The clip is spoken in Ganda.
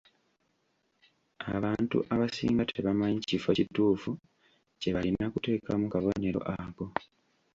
Abantu abasinga tebamanyi kifo kituufu kye balina kuteekamu kabonero ako.